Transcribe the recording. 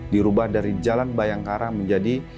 dirubah dari jalan bayangkara menjadi